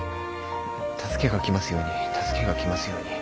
助けが来ますように助けが来ますように。